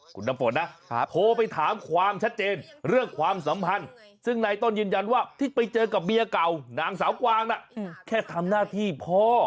คุณน้ำฝนนะโทรไปถามความชัดเจนเรื่องความสัมพันธ์ซึ่งนายต้นยืนยันว่าที่ไปเจอกับเมียเก่านางสาวกวางน่ะแค่ทำหน้าที่พ่อ